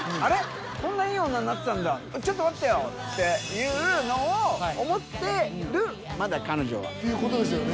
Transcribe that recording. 「あれこんないい女になってんだちょっと待ってよ」っていうのを思ってるまだ彼女はっていうことですよね